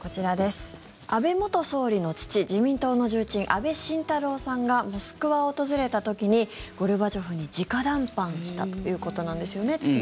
安倍元総理の父自民党の重鎮安倍晋太郎さんがモスクワを訪れた時にゴルバチョフに直談判したということなんですよね。